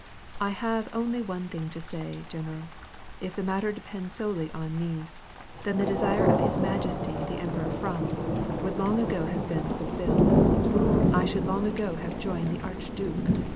"I have only one thing to say, general; if the matter depended solely on me, then the desire of his majesty the Emperor Franz would long ago have been fulfilled. I should long ago have joined the archduke.